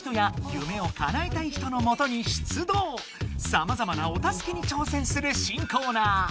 さまざまな「おたすけ」に挑戦する新コーナー。